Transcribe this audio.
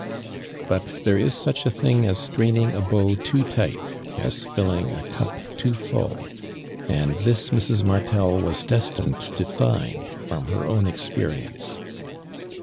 But there is such a thing as straining a bow too tight — as filling a cup too full, and this Mr». Martel was destined to find from her own experience.